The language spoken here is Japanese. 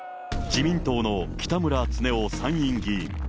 自民党の北村経夫参院議員。